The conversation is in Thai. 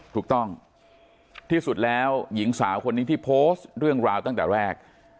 ถูกต้องที่สุดแล้วหญิงสาวคนนี้ที่โพสต์เรื่องราวตั้งแต่แรก